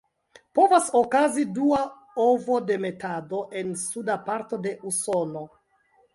Povas okazi dua ovodemetado en suda parto de Usono.